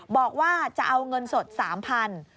บอกว่าจะเอาเงินสด๓๐๐บาท